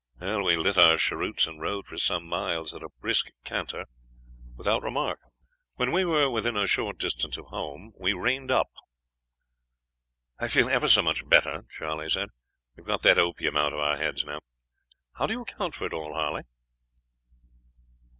"We lit our cheroots and rode for some miles at a brisk canter without remark. When we were within a short distance of home we reined up. "'I feel ever so much better,' Charley said. 'We have got that opium out of our heads now. How do you account for it all, Harley?'